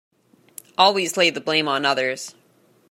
Always lay the blame on others!’